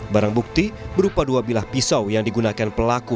barang bukti berupa dua bilah pisau yang digunakan pelaku